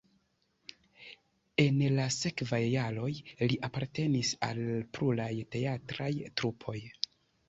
En la sekvaj jaroj li apartenis al pluraj teatraj trupoj.